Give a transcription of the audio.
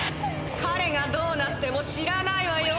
かれがどうなっても知らないわよ！」。